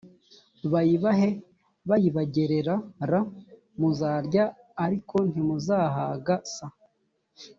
bayibahe bayibagerera r muzarya ariko ntimuzahaga s